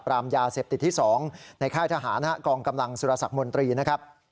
ยาเสพติดที่๒ในค่ายทหารกองกำลังสุรสักมนตรีนะครับ